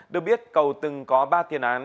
được biết cầu từng có ba tiền án